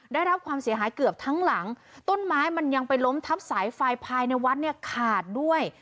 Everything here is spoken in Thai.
ได้รับความเสียหายเกือบทั้งหลังต้นไม้มันยังไปล้มทับสายไฟภายในวัดเนี่ยขาดด้วย